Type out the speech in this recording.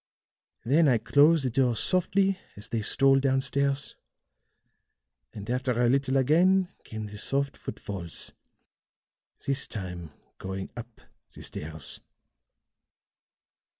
"Then I closed the door softly, as they stole down stairs; and after a little again came the soft footfalls, this time going up the stairs."